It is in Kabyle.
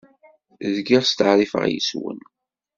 Zgiɣ steɛṛifeɣ yes-wen.